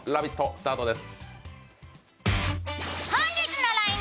スタートです。